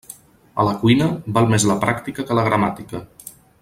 A la cuina, val més la pràctica que la gramàtica.